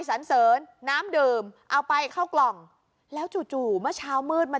สันเสริญน้ำดื่มเอาไปเข้ากล่องแล้วจู่จู่เมื่อเช้ามืดมา